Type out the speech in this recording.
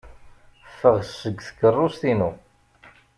Ffeɣ seg tkeṛṛust-inu!